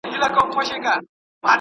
هغه څوک چي وخت تېروي منظم وي،